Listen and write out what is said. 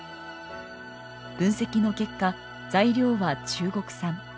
分析の結果材料は中国産。